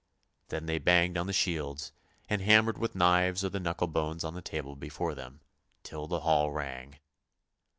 " Then they banged on the shields, and hammered with knives or the knuckle bones on the table before them, till the hall rang.